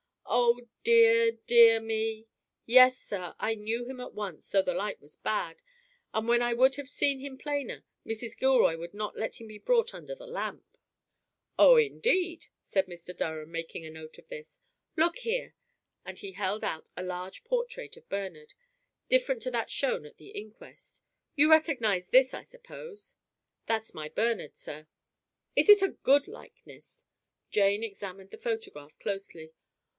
Oh dear, dear me. Yes, sir, I knew him at once, although the light was bad. And when I would have seen him plainer, Mrs. Gilroy would not let him be brought under the lamp." "Oh, indeed," said Durham, making a note of this. "Look here," and he held out a large portrait of Bernard, different to that shown at the inquest. "You recognize this, I suppose?" "That's my Bernard, sir." "Is it a good likeness?" Jane examined the photograph closely.